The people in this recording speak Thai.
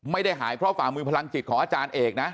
ไม่ได้หายเพราะฝ่ามือพลังจิตของอาจารย์เอกนะ